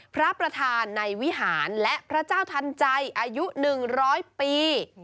พระประธานในวิหารและพระเจ้าทันใจอายุ๑๐๐ปี